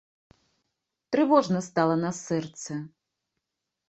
Трывожна стала на сэрцы.